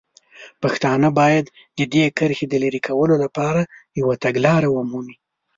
پښتانه باید د دې کرښې د لرې کولو لپاره یوه تګلاره ومومي.